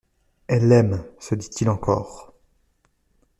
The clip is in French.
Elle l'aime ! se dit-il encore.